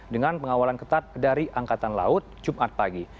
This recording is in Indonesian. dengan pengawalan ketat dari angkatan laut jumat pagi